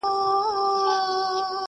دلته لېونیو نن د عقل ښار نیولی دی!.